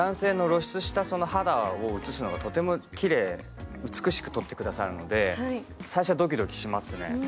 露出した肌を撮るのがとてもきれい、美しく撮ってくださるので最初はドキドキしますね。